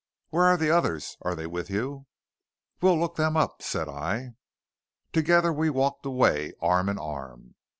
"Where are the others? Are they with you?" "We'll look them up," said I. Together we walked away, arm in arm.